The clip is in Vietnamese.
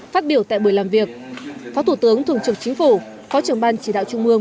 phát biểu tại buổi làm việc phó thủ tướng thường trực chính phủ phó trưởng ban chỉ đạo trung mương